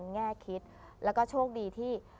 แง่คิดแล้วก็โชคดีที่